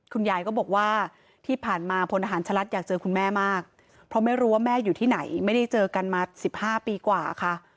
คุณยายก็บอกว่าที่ผ่านมาพลทหารฉลัดอยากเจอคุณแม่มากเพราะไม่รู้ว่าแม่อยู่ที่ไหนไม่ได้เจอกันมา๑๕ปีกว่าค่ะ